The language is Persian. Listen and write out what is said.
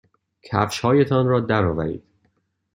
کفشهایتان را درآورید.